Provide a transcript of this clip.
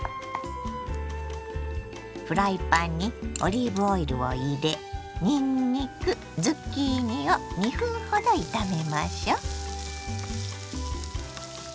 フライパンにオリーブオイルを入れにんにくズッキーニを２分ほど炒めましょ。